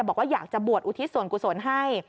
บอกว่าอยากจะบวชอุทิศส่วนกุศลให้